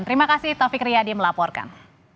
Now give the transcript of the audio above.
terima kasih taufik riyadi melaporkan